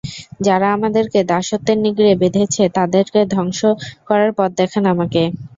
যারা আমাদেরকে দাসত্বের নিগড়ে বেঁধেছে, তাদেরকে ধ্বংস করার পথ দেখান আমাকে।